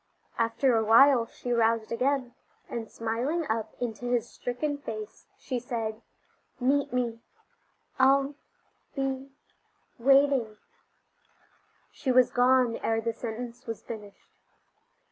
After awhile she roused again, and smiling up into his stricken face she said: "Meet me I'll be waiting " She was gone ere the sentence was finished.